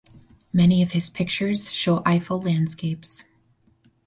Many of his pictures show Eifel landscapes.